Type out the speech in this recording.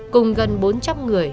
cùng gần bốn trăm linh người